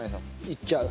いっちゃう。